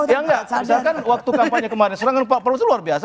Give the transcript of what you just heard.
ya enggak misalkan waktu kampanye kemarin serangan pak prabowo itu luar biasa